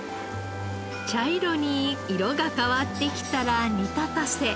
茶色に色が変わってきたら煮立たせ。